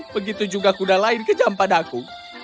begitu juga kuda lain kejam padaku